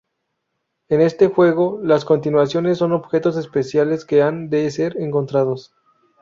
En este juego, las continuaciones son objetos especiales que han de ser encontrados.